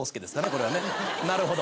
これはねなるほど。